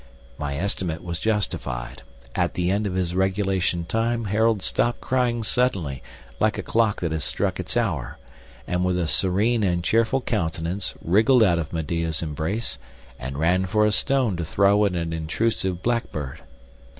My estimate was justified. At the end of his regulation time Harold stopped crying suddenly, like a clock that had struck its hour; and with a serene and cheerful countenance wriggled out of Medea's embrace, and ran for a stone to throw at an intrusive blackbird.